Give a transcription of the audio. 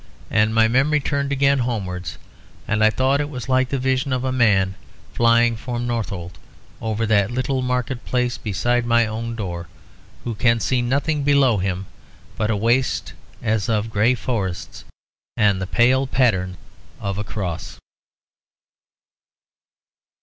And my memory turned again homewards; and I thought it was like the vision of a man flying from Northolt, over that little market place beside my own door; who can see nothing below him but a waste as of grey forests, and the pale pattern of a cross.